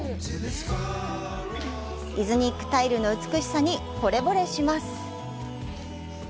イズニックタイルの美しさにほれぼれします。